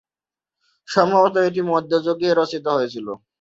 সম্ভবত এটি মধ্যযুগে রচিত হয়েছিল।